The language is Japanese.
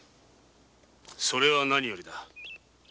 それは何よりだ。